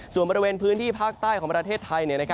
ส่วนบริเวณพื้นที่ภาคใต้ของประเทศไทย